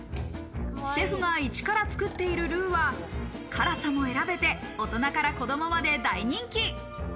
シェフがイチから作っているルーは辛さも選べて、大人から子供まで大人気。